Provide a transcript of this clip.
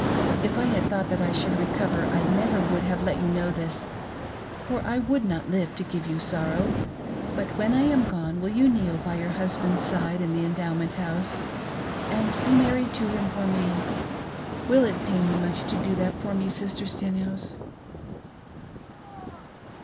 If I had thought that I should recover, I never would have let you know thiS) for I would not live to give you sorrow. But, when I am gone, will you kneel by your husband's side in the Endowment House, and be married to him for me? Will it pain you much to do that for me. Sister Stenhouse?"